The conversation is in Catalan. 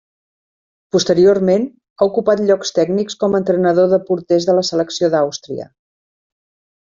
Posteriorment, ha ocupat llocs tècnics com a entrenador de porters de la selecció d'Àustria.